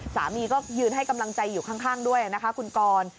สามีก็ยืนให้กำลังใจอยู่ข้างด้วยนะคะคุณกร